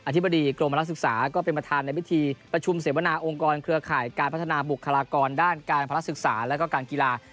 ธิบดีกรมนักศึกษาก็เป็นประธานในพิธีประชุมเสวนาองค์กรเครือข่ายการพัฒนาบุคลากรด้านการภาระศึกษาแล้วก็การกีฬา